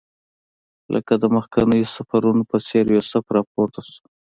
لکه د مخکنیو سفرونو په څېر یوسف راپورته شو.